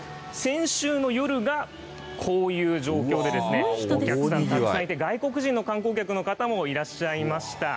で、先週の夜が、こういう状況で、お客さんたくさんいて、外国人の観光客の方もいらっしゃいました。